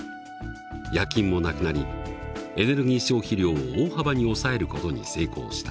夜勤もなくなりエネルギー消費量を大幅に抑える事に成功した。